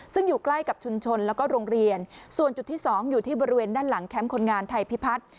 ซึ่งอยู่ใกล้กับชุมชนแล้วก็โรงเรียนส่วนจุดที่สองอยู่ที่บริเวณด้านหลังแคมป์คนงานไทยพิพัฒน์